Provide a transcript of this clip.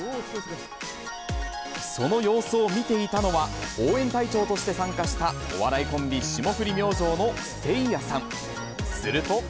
その様子を見ていたのは、応援隊長として参加したお笑いコンビ、霜降り明星のせいやさん。